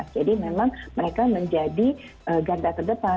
jadi memang mereka menjadi garja terdepan